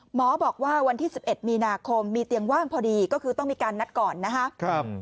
หมอบอกว่าวันที่๑๑มีนาคมมีเตียงว่างพอดีก็คือต้องมีการนัดก่อนนะครับ